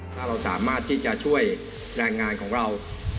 ถ้าเราสามารถที่จะช่วยแรงงานของเรา